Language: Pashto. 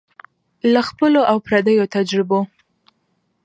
له خپلو او پردیو تجربو